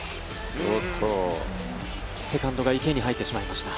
セカンドが池に入ってしまいました。